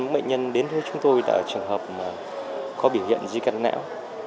tám mươi bệnh nhân đến với chúng tôi là trường hợp có biểu hiện di căn não